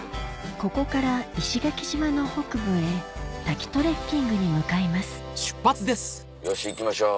ここから石垣島の北部へ滝トレッキングに向かいますよし行きましょう。